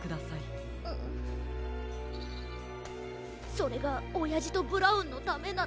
それがおやじとブラウンのためなら。